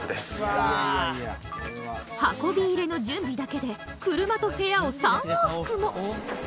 運び入れの準備だけで車と部屋を３往復も。